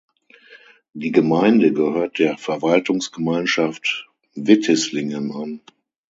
Die Gemeinde gehört der Verwaltungsgemeinschaft Wittislingen an.